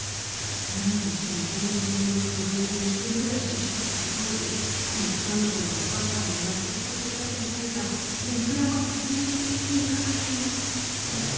何としても大学入学と同時に１人暮らしをしたかった当時この頑固なお母さんを納得させるために書いた目くらまし人生計画表